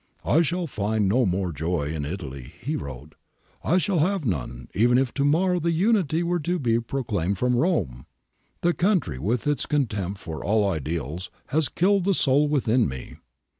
' I shall have no more joy in Italy,' he wrote, ' I shall have none, even if to morrow the Unity were to be proclaimed from Rome. The country, with its contempt for all ideals, has killed the soul within me.''